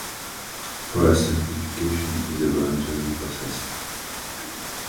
Forest certification is a voluntary process.